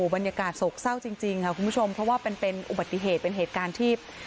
บรรยากาศโศกเศร้าจริงค่ะคุณผู้ชมเพราะว่าเป็นอุบัติเหตุเป็นเหตุการณ์ที่